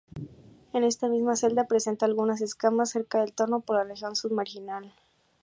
En esta misma celda presenta algunas escamas cerca del torno por la región submarginal.